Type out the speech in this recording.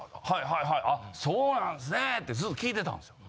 「はいはいあそうなんですね」ってずっと聞いてたんですよ。